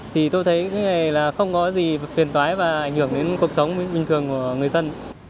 thì tôi thấy cái này là không có gì quyền toái và ảnh hưởng đến cuộc sống bình thường của người dân